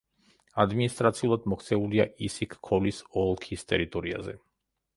ადმინისტრაციულად მოქცეულია ისიქ-ქოლის ოლქის ტერიტორიაზე.